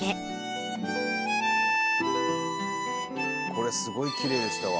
「これすごいキレイでしたわ」